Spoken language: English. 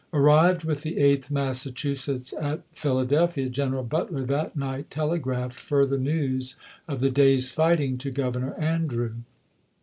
Arrived with the Eighth Massa chusetts at Philadelphia, General Butler that night telegraphed further news of the day's fighting to Governor Andrew.